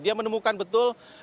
dia menemukan betul